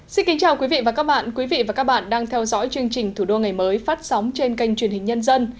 xin kính chào quý vị và các bạn quý vị và các bạn đang theo dõi chương trình thủ đô ngày mới phát sóng trên kênh truyền hình nhân dân